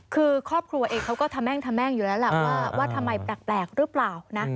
คือครอบครัวเอกเขาก็ทำแม่งอยู่แล้วล่ะว่าทำไมแปลกรึเปล่า